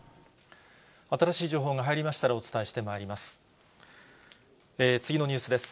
新しい情報が入りましたら、お伝えしてまいります。